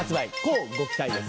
乞うご期待です。